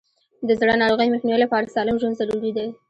د زړه ناروغیو مخنیوي لپاره سالم ژوند ضروري دی.